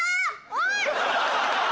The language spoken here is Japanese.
おい！